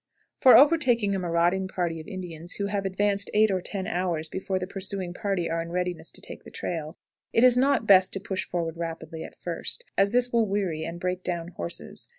For overtaking a marauding party of Indians who have advanced eight or ten hours before the pursuing party are in readiness to take the trail, it is not best to push forward rapidly at first, as this will weary and break down horses.